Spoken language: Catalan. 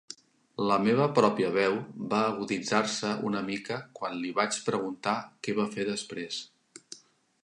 La meva pròpia veu va aguditzar-se una mica quan li vaig preguntar què va fer després.